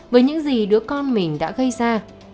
với những gì đứa con mình đã gây ra